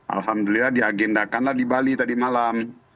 alhamdulillah diagendakanlah di bali tadi malam